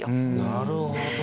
なるほど。